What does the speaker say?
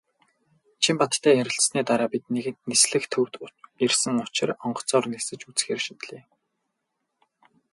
Чинбаттай ярилцсаны дараа бид нэгэнт "Нислэг" төвд ирсэн учир онгоцоор нисэж үзэхээр шийдлээ.